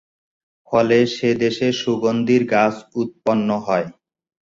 ফলে সে দেশে সুগন্ধির গাছ উৎপন্ন হয়।